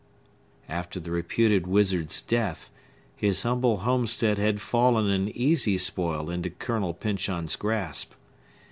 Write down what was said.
After the reputed wizard's death, his humble homestead had fallen an easy spoil into Colonel Pyncheon's grasp.